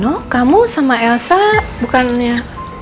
oh kamu sama elsa bukannya